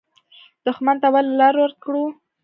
دښمن ته ولې لار ورکړو؟